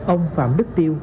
ông phạm đức tiêu